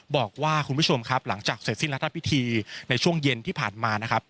บอกว่าหลังจากเสร็จสิ้นรัฐพิธีในช่วงเย็นที่ผ่านมานะครับ